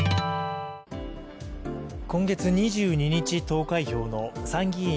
今月２２日投開票の参議院